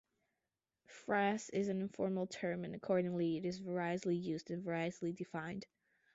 Frass is an informal term and accordingly it is variously used and variously defined.